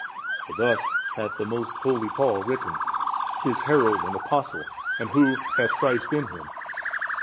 For thus hath the most holy Paul written, His herald and apostle and who hath Christ in him.